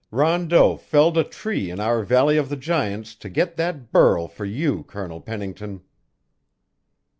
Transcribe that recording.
Rondeau felled a tree in our Valley of the Giants to get that burl for you, Colonel Pennington."